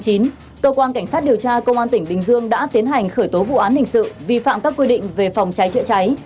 cơ quan cảnh sát điều tra công an tỉnh bình dương đã tiến hành khởi tố vụ án hình sự vi phạm các quy định về phòng cháy chữa cháy